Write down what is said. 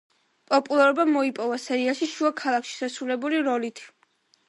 პოპულარობა მოიპოვა სერიალში „შუა ქალაქში“ შესრულებული როლით.